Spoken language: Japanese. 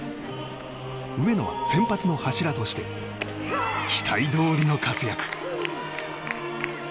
上野は先発の柱として期待どおりの活躍。